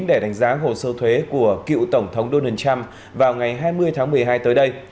để đánh giá hồ sơ thuế của cựu tổng thống donald trump vào ngày hai mươi tháng một mươi hai tới đây